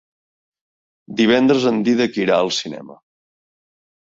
Divendres en Dídac irà al cinema.